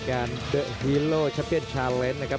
ทางด้านแอคทีฟครับมียูเซฟให้สำหรับครับอยู่ด้านล่างครับ